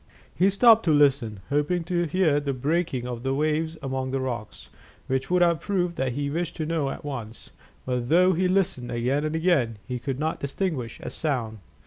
He stopped to listen, hoping to hear the breaking of the waves among the rocks, which would have proved what he wished to know at once; but though he listened again and again, he could not distinguish a sound.